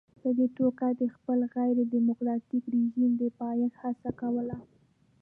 په دې توګه یې د خپل غیر ډیموکراټیک رژیم د پایښت هڅه کوله.